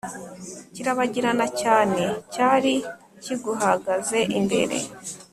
kirabagirana cyane Cyari kiguhagaze imbere